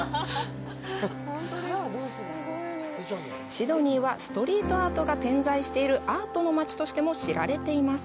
シドニーは、ストリートアートが点在しているアートの街としても知られています。